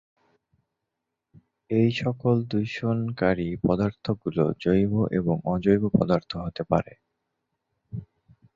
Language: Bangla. এইসকল দূষণকারী পদার্থগুলো জৈব এবং অজৈব পদার্থ হতে পারে।